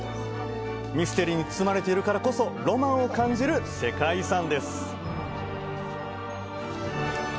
ミステリーに包まれてるからこそロマンを感じる世界遺産です